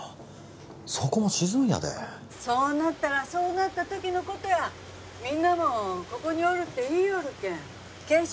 そこも沈むんやでそうなったらそうなった時のことやみんなもここにおるって言いよるけん啓示